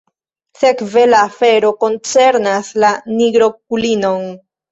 Sekve la afero koncernas la nigrokulinon?